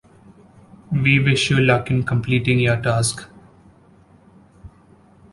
We wish you luck in completing your task.